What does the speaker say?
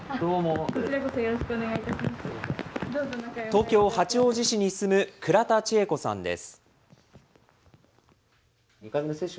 東京・八王子市に住む倉田千恵子さんです。